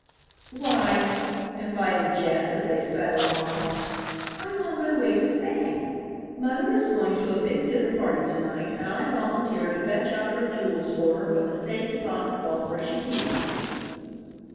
"Why," confided Jess, as they sped along, "I'm on my way to the bank. Mother is going to a big dinner party to night and I volunteered to fetch out her jewels for her from the safe deposit vault where she keeps them."